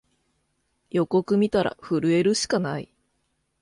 予告みたら震えるしかない